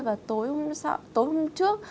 và tối hôm trước